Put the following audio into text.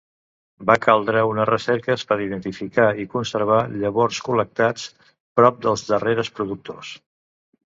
Va caldre unes recerques per identificar i conservar llavors col·lectats prop dels darreres productors.